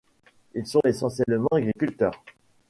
Ils sont essentiellement agriculteurs.